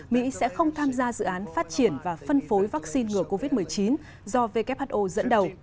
mỹ sẽ không tham gia dự án phát triển và phân phối vaccine ngừa covid một mươi chín do who dẫn đầu